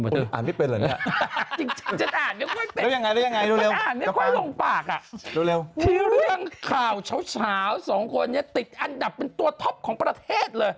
เรื่องข่าวเฉาสองคนนี้ติดอันดับเป็นตัวท็อปของประเทศเลย